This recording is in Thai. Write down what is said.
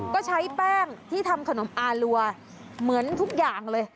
ก็ใช้แป้งที่ทำขนมอารัวเหมือนทุกอย่างเลย